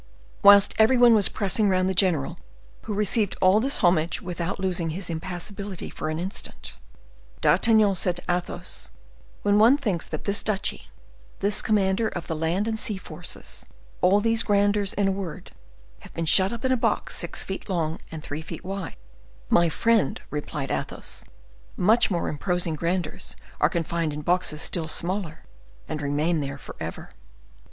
Whilst every one was pressing round the general, who received all this homage without losing his impassibility for an instant, D'Artagnan said to Athos: "When one thinks that this duchy, this commander of the land and sea forces, all these grandeurs, in a word, have been shut up in a box six feet long and three feet wide—" "My friend," replied Athos, "much more imposing grandeurs are confined in boxes still smaller,—and remain there forever."